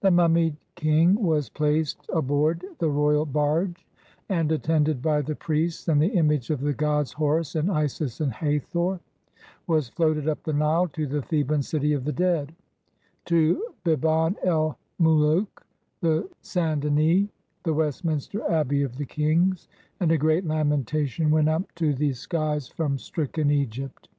The mummied king was placed aboard the royal barge, and, attended by the priests and the image of the gods Horus and Isis and Hathor, was floated up the Nile to the Theban City of the Dead — to Biban el Mulouk, the St. Denis, the Westminster Abbey of the kings, and a great lamentation went up to the skies from stricken Egypt.